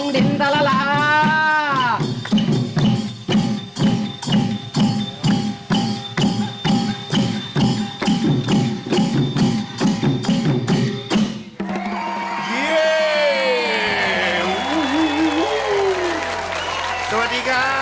สวัสดีครับ